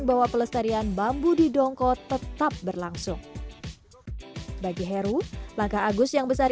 bahwa pelestarian bambu di dongko tetap berlangsung bagi heru langkah agus yang besar